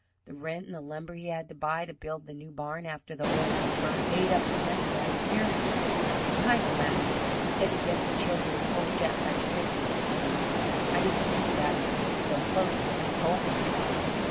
The rent and the lumber he had to buy to build the new barn after the old one burnt ate up the money like fury. He kind of laughed, and said he guessed the children wouldn't get much Christmas this year. I didn't think about it's being so close when he told me."